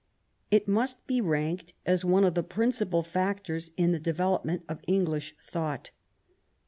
It must be ranked as one of the principal factors in the development of English thought.